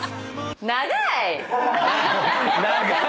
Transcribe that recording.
「長い」！